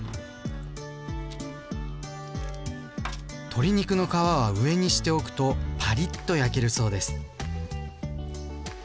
鶏肉の皮は上にしておくとパリッと焼けるそうです。